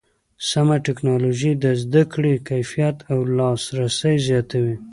سمه ټکنالوژي د زده کړې کیفیت او لاسرسی زیاتوي.